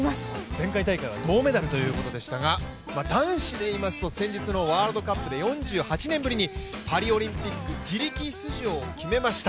前回大会は銅メダルということでしたが、男子でいいますと先日のワールドカップで４８年ぶりにパリオリンピック自力出場を決めました。